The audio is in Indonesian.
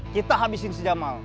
kita habisin si jamal